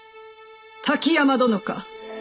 滝山殿か。